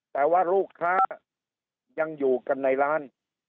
แต่ว่าลูกค้ายังอยู่กันในร้าน